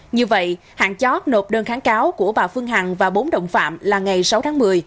như vậy hạn chót nộp đơn kháng cáo của bà phương hằng và bốn đồng phạm là ngày sáu tháng một mươi